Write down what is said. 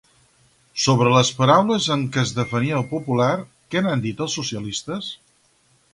Sobre les paraules amb què es defenia el popular, què n'han dit els socialistes?